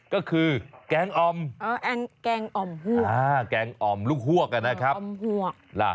ก็คือแกงอ่อมแกงอ่อมหวกแกงอ่อมลูกหวกนะครับ